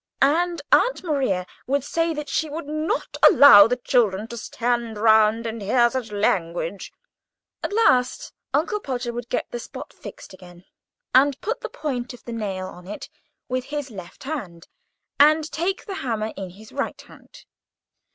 And Aunt Maria would say that she would not allow the children to stand round and hear such language. At last, Uncle Podger would get the spot fixed again, and put the point of the nail on it with his left hand, and take the hammer in his right hand.